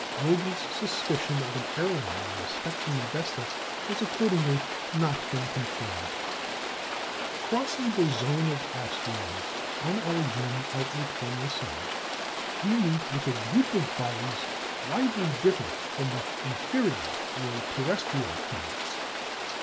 Vogel's suspicion of an air line in the spectrum of Vesta has, accordingly, not been confirmed. Crossing the zone of asteroids on our journey outward from the sun, we meet with a group of bodies widely different from the "inferior" or terrestrial planets.